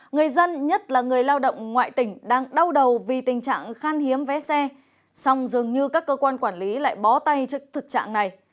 người dân nhất là người lao động ngoại tỉnh đang đau đầu vì tình trạng khan hiếm vé xe song dường như các cơ quan quản lý lại bó tay trước thực trạng này